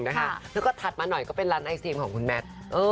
แล้วก็ถัดมาหน่อยก็เป็นร้านไอซีมของคุณแมท